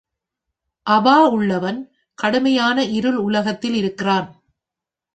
அவா உள்ளவன் கடுமையான இருள் உலகத்தில் இருக்கிறான்.